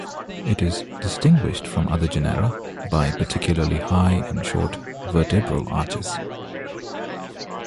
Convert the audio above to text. It is distinguished from other genera by particularly high and short vertebral arches.